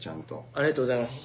ありがとうございます。